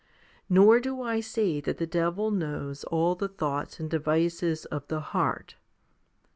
Nor do I say that the devil knows all the thoughts and devices of the heart.